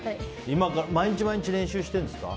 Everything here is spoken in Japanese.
毎日毎日練習してるんですか？